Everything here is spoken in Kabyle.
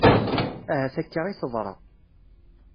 Ahat akka i teḍra.